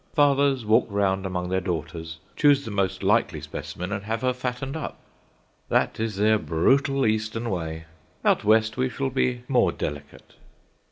Fathers walk round among their daughters, choose the most likely specimen, and have her fattened up. That is their brutal Eastern way. Out West we shall be more delicate.